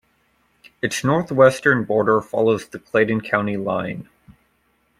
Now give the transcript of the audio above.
Its northwestern border follows the Clayton County line.